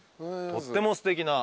とってもすてきな。